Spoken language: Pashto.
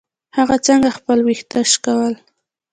هغې څنګه خپل ويښته شکول.